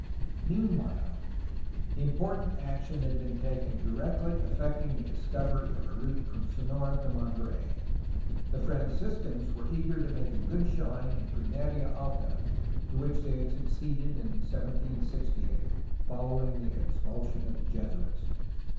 Meanwhile, important action had been taken directly affecting the discovery of a route from Sonora to Monterey. The Franciscans were eager to make a good showing in Pimeria Alta, to which fchey had succeeded in 1768 following the expulsion of the Jesuits.